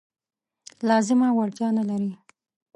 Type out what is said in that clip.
لازمه وړتیا نه لري.